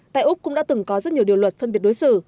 tại úc cũng đã từng có rất nhiều điều luật phân biệt đối xử